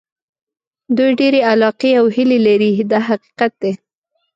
دوی ډېرې علاقې او هیلې لري دا حقیقت دی.